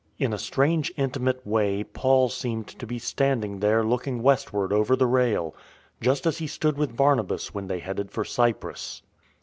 In a strange, intimate way Paul seemed to be standing there looking westward over the rail — just as he stood with Barnabas when they headed for Cyprus.